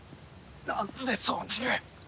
なんでそうなる！